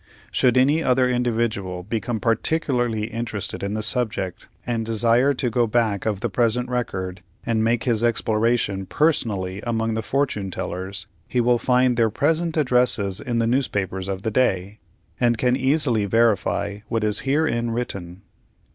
Should any other individual become particularly interested in the subject, and desire to go back of the present record and make his exploration personally among the Fortune tellers, he will find their present addresses in the newspapers of the day, and can easily verify what is herein written.